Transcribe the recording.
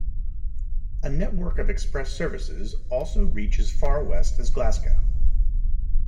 A network of express services also reach as far west as Glasgow.